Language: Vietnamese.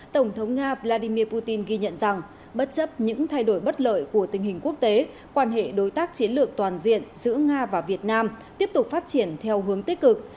tổng thống nga vladimir putin ghi nhận rằng bất chấp những thay đổi bất lợi của tình hình quốc tế quan hệ đối tác chiến lược toàn diện giữa nga và việt nam tiếp tục phát triển theo hướng tích cực